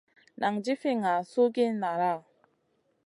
Nan jifi ŋah suhgiya nala ?